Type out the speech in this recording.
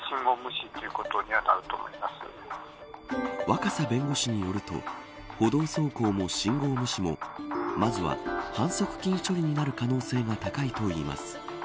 若狭弁護士によると歩道走行も信号無視もまずは反則金処理になる可能性が高いといいます。